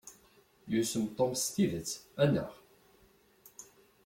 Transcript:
Yussem Tom s tidet, anaɣ?